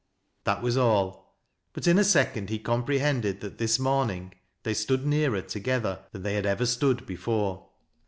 That was all, but in a second he comprehended that this morning they stood nearer together than they had ever stood before.